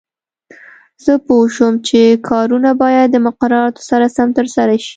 زه پوه شوم چې کارونه باید د مقرراتو سره سم ترسره شي.